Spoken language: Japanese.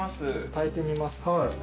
たいてみます。